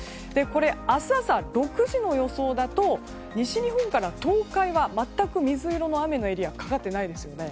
明日朝６時の予想だと西日本から東海は全く、水色の雨のエリアはかかっていないですよね。